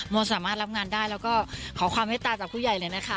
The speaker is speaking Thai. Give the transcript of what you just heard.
สามารถรับงานได้แล้วก็ขอความไว้ตาจากผู้ใหญ่เลยนะคะ